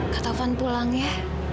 ketuhan pulang ya